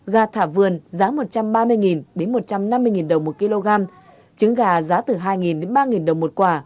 gà thả vườn giá một trăm ba mươi một trăm năm mươi đồng một kg trứng gà giá từ hai đến ba đồng một quả